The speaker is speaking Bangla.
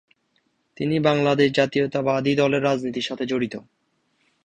তিনি বাংলাদেশ জাতীয়তাবাদী দলের রাজনীতির সাথে জড়িত।